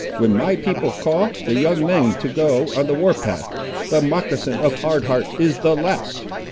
When my people call the young men to go on the war path, the moccasin of Hard Heart is the last.